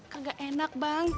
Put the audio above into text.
kagak enak bang